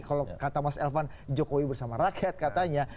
kalau kata mas elvan jokowi bersama rakyat katanya